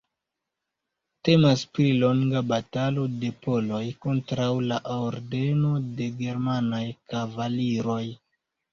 Temas pri longa batalo de poloj kontraŭ la Ordeno de germanaj kavaliroj.